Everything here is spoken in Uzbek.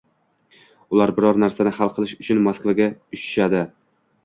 Ular biror narsani hal qilish uchun Moskvaga uchishadi